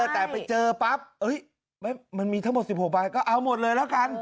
แต่ไปเจอปั๊บมันมีทั้งหมด๑๖ใบก็เอาหมดเลยแล้วกัน